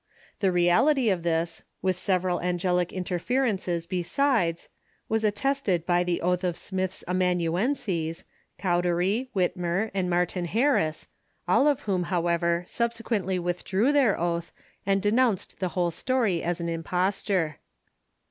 The reality of all this, with several angelic interferences be^ sides, was attested by the oath of Smith's amanuenses, Cow dery, Whitmer, and Martin Harris, all of whom, however, sub sequently withdrew their oath and denounced the whole story as an imposture.